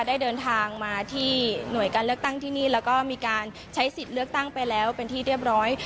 ได้เดินทางมาที่หน่วยการเลือกตั้งที่นี่แล้วก็มีการใช้สิทธิ์เลือกตั้งไปแล้วเป็นที่เรียบร้อย